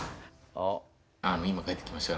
今帰ってきました。